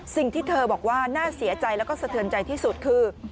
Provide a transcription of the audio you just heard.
สิ่งที่เธอบอกว่าน่าเสียใจแล้วก็สะเทือนใจที่สุดคือ